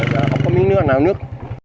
không có miếng nước nào nước